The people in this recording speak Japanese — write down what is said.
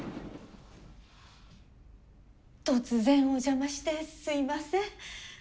突然お邪魔してすいません。